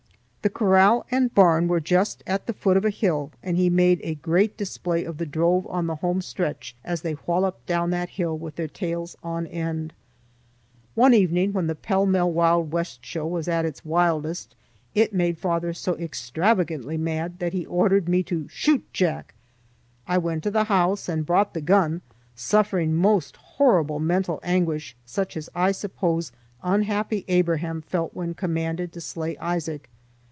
The corral and barn were just at the foot of a hill, and he made a great display of the drove on the home stretch as they walloped down that hill with their tails on end. One evening when the pell mell Wild West show was at its wildest, it made father so extravagantly mad that he ordered me to "Shoot Jack!" I went to the house and brought the gun, suffering most horrible mental anguish, such as I suppose unhappy Abraham felt when commanded to slay Isaac.